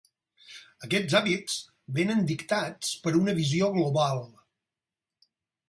Aquests hàbits venen dictats per una visió global.